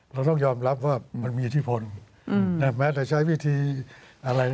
เราต้องยอมรับว่ามันมีอิทธิพลแม้แต่ใช้วิธีอะไร